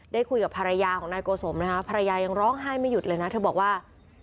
ได้คุยกับภรรยาของนายโกสมนะคะภรรยายังร้องไห้ไม่หยุดเลยนะเธอบอกว่า